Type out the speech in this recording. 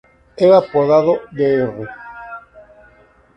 Era apodado "Dr.